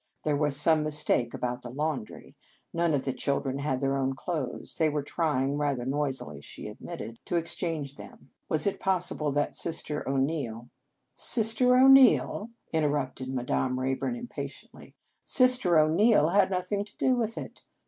There was some mistake about the laundry. None of the children had their own clothes. They were trying rather noisily, she admitted to 146 Un Conge sans Cloche exchange them. Was it possible that Sister O Neil "Sister O Neil!" interrupted Ma dame Rayburn impatiently. " Sister O Neil had nothing to do with it.